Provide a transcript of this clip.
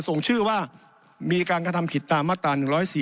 ส่งชื่อว่ามีการกระทำผิดตามมาตรา๑๔